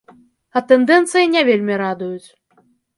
А тэндэнцыі не вельмі радуюць.